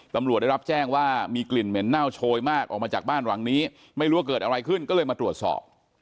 ตำรวจได้รับแจ้งว่ามีกลิ่นเหม็นเน่าโชยมากออกมาจากบ้านหลังนี้ไม่รู้ว่าเกิดอะไรขึ้นก็เลยมาตรวจสอบ